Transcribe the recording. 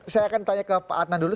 saya akan tanya ke pak adnan dulu